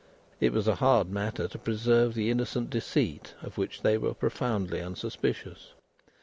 It was a hard matter to preserve the innocent deceit of which they were profoundly unsuspicious.